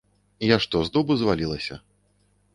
Я што, з дубу звалілася?